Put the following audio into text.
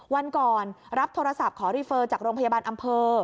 วันก่อนรับโทรศัพท์ขอรีเฟอร์จากโรงพยาบาลอำเภอ